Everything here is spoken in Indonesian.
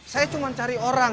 saya cuma cari orang